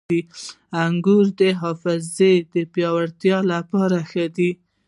• انګور د حافظې د پیاوړتیا لپاره ښه دي.